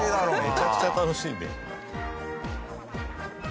めちゃくちゃ楽しいね。